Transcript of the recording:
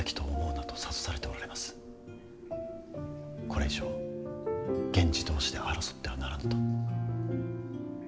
これ以上源氏同士で争ってはならぬと。